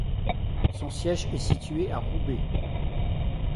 Son siège est situé à Roubaix.